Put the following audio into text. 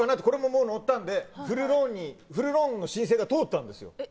これももう乗ったんでフルローンの申請が通ったんですよ。